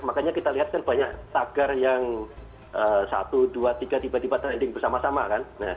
makanya kita lihat kan banyak tagar yang satu dua tiga tiba tiba trending bersama sama kan